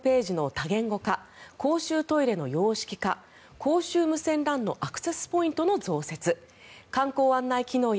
そして、得られた税収はホームページの多言語化公衆トイレの洋式化公衆無線ＬＡＮのアクセスポイントの増設